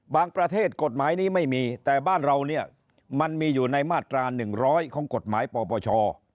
ประเทศกฎหมายนี้ไม่มีแต่บ้านเราเนี่ยมันมีอยู่ในมาตรา๑๐๐ของกฎหมายปปช